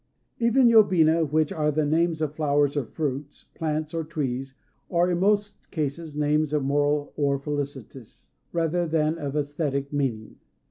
Even yobina which are the names of flowers or fruits, plants or trees, are in most cases names of moral or felicitous, rather than of æsthetic meaning.